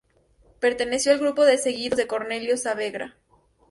Perteneció al grupo de seguidores de Cornelio Saavedra.